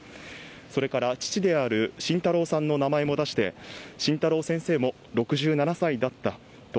それから父である晋太郎さんの名前も出して晋太郎先生も６７歳だったと